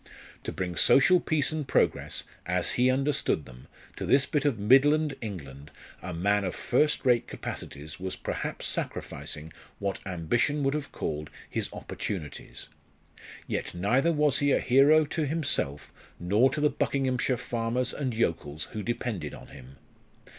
To bring social peace and progress, as he understood them, to this bit of Midland England a man of first rate capacities was perhaps sacrificing what ambition would have called his opportunities. Yet neither was he a hero to himself nor to the Buckinghamshire farmers and yokels who depended on him.